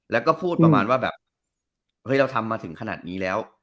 แล้วก็พูดประมาณว่าแบบเฮ้ยเราทำมาถึงขนาดนี้แล้ว